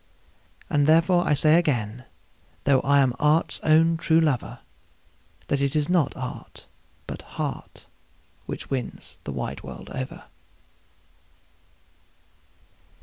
And therefore I say again, though I am art's own true lover, That it is not art, but heart, which wins the wide world over.